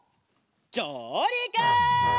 じょうりく！